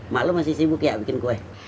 mak lu masih sibuk ya bikin kue